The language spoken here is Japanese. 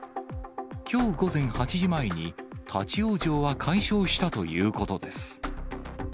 きょう午前８時前に、立往生は解消したということです。